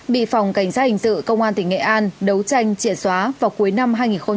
bị phòng cảnh sát hình sự công an tỉnh nghệ an đấu tranh triệt xóa vào cuối năm hai nghìn một mươi ba